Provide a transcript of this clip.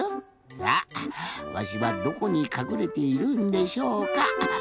ほらわしはどこにかくれているんでしょうか。